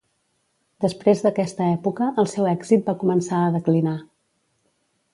Després d'aquesta època, el seu èxit va començar a declinar.